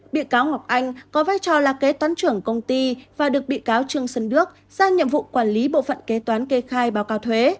bị cáo ngọc anh có vai trò là kế toán trưởng công ty và được bị cáo trương xuân đức giao nhiệm vụ quản lý bộ phận kế toán kê khai báo cáo thuế